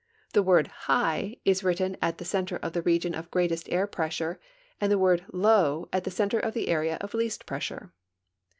The word "high " is written at the center of the region of greatest air pressure and the word "low " at the center of the area of least pressure.